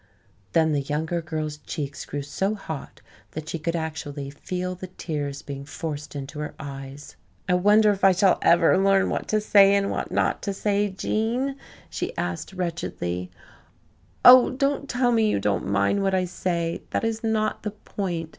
Then the younger girl's cheeks grew so hot that she could actually feel the tears being forced into her eyes. "I wonder if I shall ever learn what to say and what not to say, Gene?" she asked wretchedly. "Oh, don't tell me you don't mind what I say. That is not the point.